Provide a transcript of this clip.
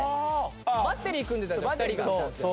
バッテリー組んでたんですよ